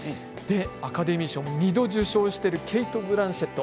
アカデミー賞を２度受賞しているケイト・ブランシェット。